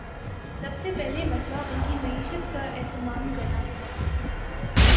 سب سے پہلا مسئلہ ان کی معیشت کا اہتمام کرنا تھا۔